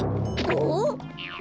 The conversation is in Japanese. おっ！